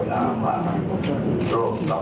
สวัสดีครับ